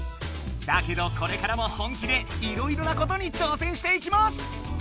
だけどこれからも本気でいろいろなことに挑戦していきます！